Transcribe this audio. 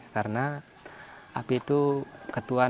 karena api itu ketumbuhan